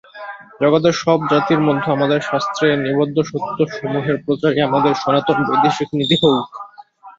জগতের সব জাতির মধ্যে আমাদের শাস্ত্রে নিবদ্ধ সত্যসমূহের প্রচারই আমাদের সনাতন বৈদেশিক নীতি হউক।